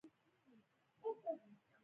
فیوډالانو په خپله په ځمکو کې کار نشو کولی.